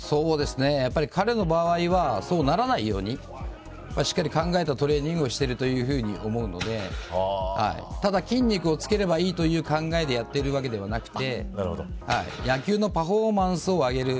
彼の場合はそうならないようにしっかり考えたトレーニングをしていると思うのでただ筋肉をつければいいという考えでやっているわけではなくて野球のパフォーマンスを上げる。